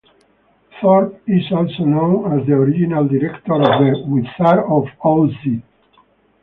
Thorpe is also known as the original director of "The Wizard of Oz".